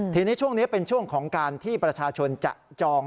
ทีนี้ช่วงนี้เป็นช่วงของการที่ประชาชนจะจอง